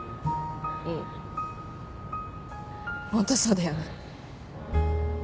ホントそうだよね。